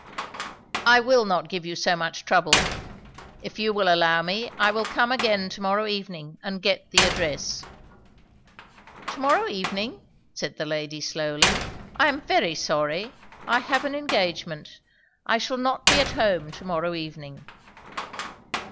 "I will not give you so much trouble. If you will allow me, I will come again to morrow evening, and get the address." "To morrow evening!" said the lady slowly. "I am very sorry, I have an engagement; I shall not be at home to morrow evening."